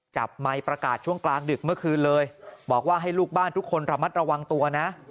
ไมค์ประกาศช่วงกลางดึกเมื่อคืนเลยบอกว่าให้ลูกบ้านทุกคนระมัดระวังตัวนะ